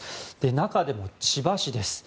中でも千葉市です。